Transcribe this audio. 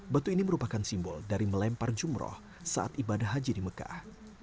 batu ini merupakan simbol dari melempar jumroh saat ibadah haji di mekah